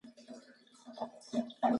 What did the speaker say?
ایا ستاسو لارښوونه سمه نه ده؟